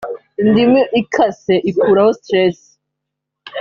Indimu ikase ikuraho stress